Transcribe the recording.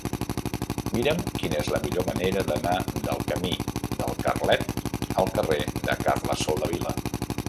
Mira'm quina és la millor manera d'anar del camí del Carlet al carrer de Carles Soldevila.